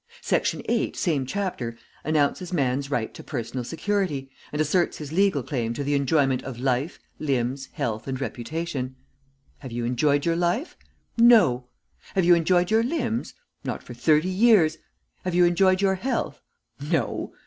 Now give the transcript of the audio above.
Section eight, same chapter, announces man's right to personal security, and asserts his legal claim to the enjoyment of life, limbs, health and reputation. Have you enjoyed your life? No! Have you enjoyed your limbs? Not for thirty years. Have you enjoyed your health. No!